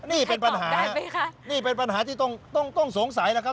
นี่เป็นปัญหานี่เป็นปัญหาที่ต้องสงสัยนะครับ